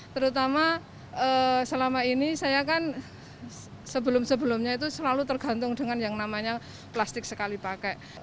terutama selama ini saya kan sebelum sebelumnya itu selalu tergantung dengan yang namanya plastik sekali pakai